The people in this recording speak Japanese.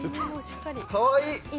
かわいい。